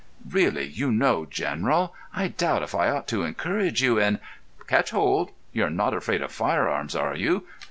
"Really, you know, General, I doubt if I ought to encourage you in——" "Catch hold. You're not afraid of firearms, are you?"